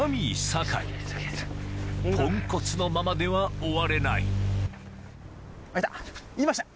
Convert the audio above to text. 酒井ポンコツのままでは終われないあっいた！